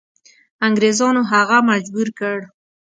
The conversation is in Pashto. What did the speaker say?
انګریزانو هغه مجبور کړ.